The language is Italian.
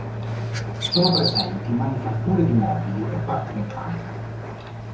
Sono presenti manifatture di mobili e parti meccaniche.